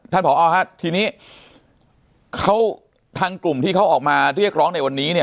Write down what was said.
ท่านพรทีนี้ทั้งกลุ่มที่เขาออกมาเรียกร้องในวันนี้เนี่ย